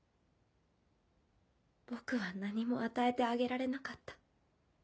僕は何も与えてあげられなかった。